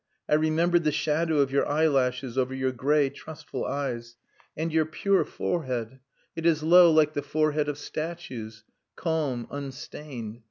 I remembered the shadow of your eyelashes over your grey trustful eyes. And your pure forehead! It is low like the forehead of statues calm, unstained.